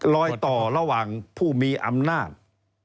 รอยต่อระหว่างผู้มีอำนาจ